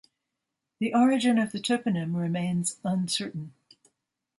The origin of the toponym remains uncertain.